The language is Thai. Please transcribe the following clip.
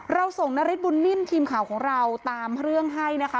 ส่งนฤทธบุญนิ่มทีมข่าวของเราตามเรื่องให้นะคะ